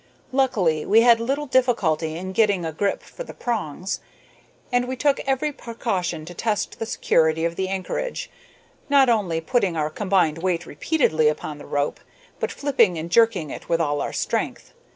Luckily we had little difficulty in getting a grip for the prongs, and we took every precaution to test the security of the anchorage, not only putting our combined weight repeatedly upon the rope, but flipping and jerking it with all our strength.